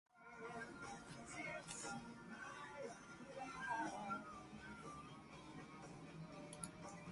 The man whose soul is sold into slavery will die.